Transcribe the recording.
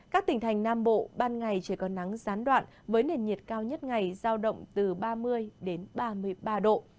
các tỉnh thành nam bộ ban ngày trời có nắng gián đoạn với nền nhiệt cao nhất ngày giao động từ ba mươi đến ba mươi ba độ